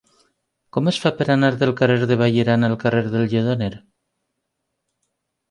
Com es fa per anar del carrer de Vallirana al carrer del Lledoner?